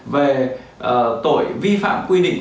về tội vi phạm quy định